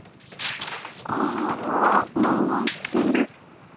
ああ回っている。